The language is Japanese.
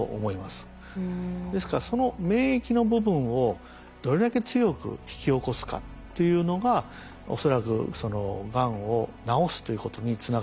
ですからその免疫の部分をどれだけ強く引き起こすかっていうのが恐らくそのがんを治すということにつながるというふうに思うんですね。